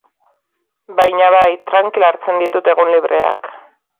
Baina bai, trankil hartzen ditut egun libreak.